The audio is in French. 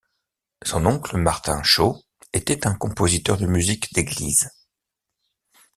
Son oncle, Martin Shaw, était un compositeur de musique d'église.